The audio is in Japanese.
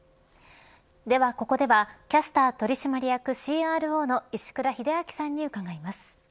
では、ここではキャスター取締役ＣＲＯの石倉秀明さんに伺います。